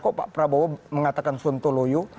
kok pak prabowo mengatakan sontoloyo